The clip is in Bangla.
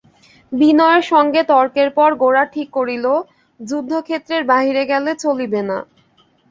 বিনয়ের সঙ্গে তর্কের পর গোরা ঠিক করিল, যুদ্ধক্ষেত্রের বাহিরে গেলে চলিবে না।